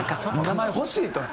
名前欲しいと。